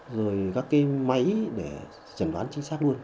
rồi các máy để trần đoán chính xác luôn